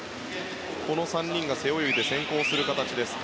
この３人が背泳ぎで先行しています。